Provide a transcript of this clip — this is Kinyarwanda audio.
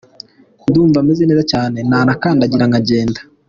Ndumva meze neza cyane, nanakandagira nkagenda.